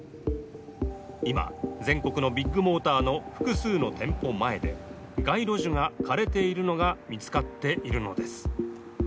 今、全国のビッグモーターの複数の店舗前で街路樹が枯れているのが見つかっているのです。